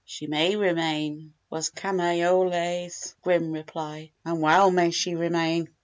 "She may remain," was Kamaiole's grim reply. "And well may she remain!"